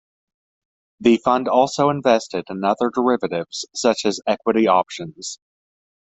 The fund also invested in other derivatives such as equity options.